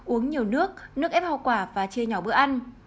uống nhiều nước nước ép hoa quả và chia nhỏ bữa ăn